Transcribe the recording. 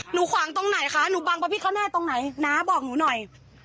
ขวางตรงไหนคะหนูบังประพิษเขาแน่ตรงไหนน้าบอกหนูหน่อย